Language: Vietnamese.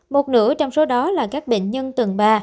một nửa trong số đó là các bệnh nhân tầng ba